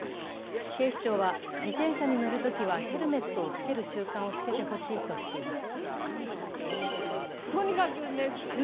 警視庁は、自転車に乗るときはヘルメットを着ける習慣をつけてほしいとしています。